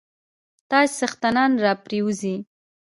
تاج څښتنان را وپرزوي.